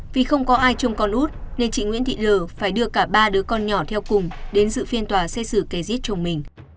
vì không có ai chồng con út nên chị nguyễn thị lờ phải đưa cả ba đứa con nhỏ theo cùng đến dự phiên tòa xe sử kẻ giết chồng mình